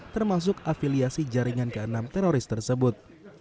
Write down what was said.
termasuk afiliasi jaringan ke enam teroris tersebut